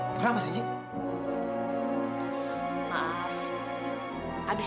swedish saya kena pares